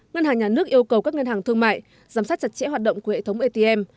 ngân hàng nhà nước yêu cầu các ngân hàng thương mại giám sát chặt chẽ hoạt động của hệ thống atm